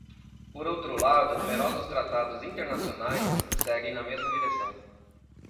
Por outro lado, numerosos tratados internacionais seguem na mesma direção.